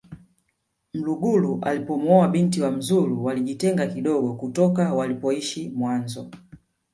mlugulu alipomuoa binti wa mzulu waligitenga kidogo kutoka walipoishi mwanzo